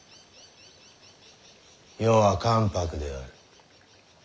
余は関白である。